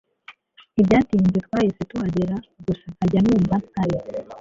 Ntibyatinze twahise tuhagera gusa nkajya numva ntari